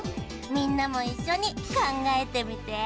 みんなもいっしょにかんがえてみて。